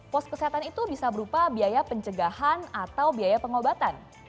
pos kesehatan itu bisa berupa biaya pencegahan atau biaya pengobatan